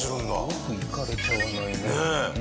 よくいかれちゃわないね。